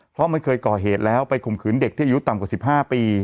เพราะมันเคยก่อเหตุแล้วไปข่มขืนเด็กที่อายุต่ำกว่า๑๕ปี